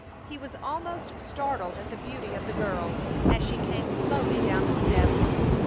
He was almost startled at the beauty of the girl as she came slowly down the steps.